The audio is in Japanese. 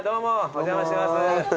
お邪魔してます。